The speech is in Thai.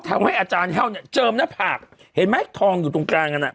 อาจารย์แห้วเนี่ยเจิมหน้าผากเห็นไหมทองอยู่ตรงกลางกันอ่ะ